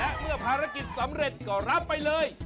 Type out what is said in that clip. และเมื่อภารกิจสำเร็จก็รับไปเลย